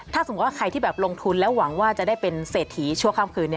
ถ้าสมมุติว่าใครที่แบบลงทุนแล้วหวังว่าจะได้เป็นเศรษฐีชั่วข้ามคืน